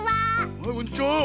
はいこんにちは。